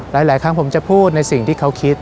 หลายครั้งผมจะพูดในสิ่งที่เขาคิด